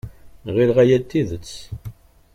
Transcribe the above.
Ɣileɣ aya d tidet.